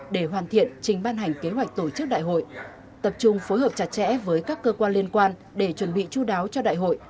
để hoàn thiện trình ban hành kế hoạch tổ chức đại hội tập trung phối hợp chặt chẽ với các cơ quan liên quan để chuẩn bị chú đáo cho đại hội